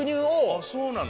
あそうなの？